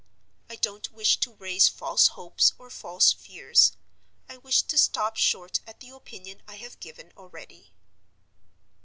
I don't wish to raise false hopes or false fears; I wish to stop short at the opinion I have given already.